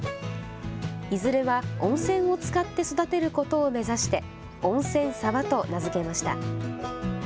いずれは温泉を使って育てることを目指して温泉サバと名付けました。